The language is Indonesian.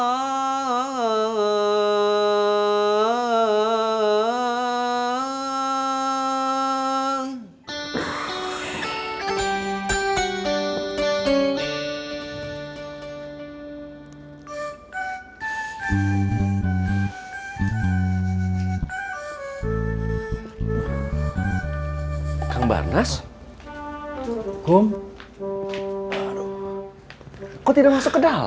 ashadu an muhammadun rasulullah